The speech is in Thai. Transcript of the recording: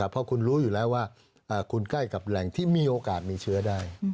เพราะคุณรู้อยู่แล้วว่าคุณใกล้กับแหล่งที่มีโอกาสมีเชื้อได้